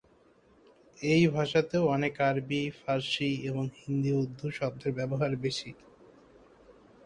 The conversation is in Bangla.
এই ভাষাতেও অনেক আরবি, ফার্সি এবং হিন্দি-উর্দু শব্দের ব্যবহার বেশি।